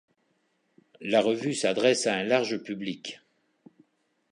La revue s'adresse à un large public.